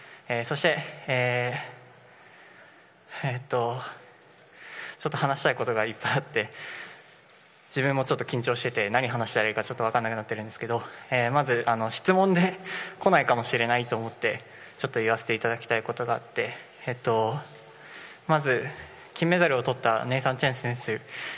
そして、ちょっと話したいことがいっぱいあって自分もちょっと緊張していて何を話したらいいか分からなくなっているんですけどまず、質問でこないかもしれないと思って言わせていただきたいことがありましてまず金メダルをとったネイサン・チェン選手